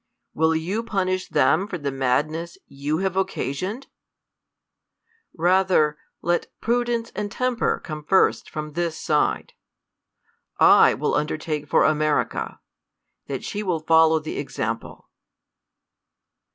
Will you punish them for the madness ypu have occasioned ? Rather let prudence and temper come first from this side. I will undertake for America, that she will follow the example.